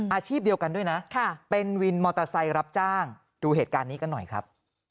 อาชีพเดียวกันด้วยนะเป็นวินมอเตอร์ไซค์รับจ้างดูเหตุการณ์นี้กันหน่อยครับ